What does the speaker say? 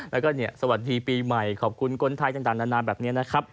แล้วก็สวัสดีปีใหม่ขอบคุณคนไทยต่างนานาแบบนี้นะครับ